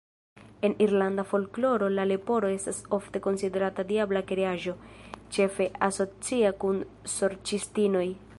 En irlanda folkloro la leporo estas ofte konsiderata diabla kreaĵo, ĉefe asocia kun sorĉistinoj.